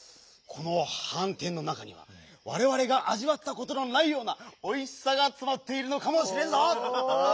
このはんてんの中にはわれわれがあじわったことのないようなおいしさがつまっているのかもしれんぞ！